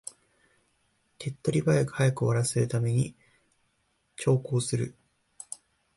手っ取り早く終わらせるために長考する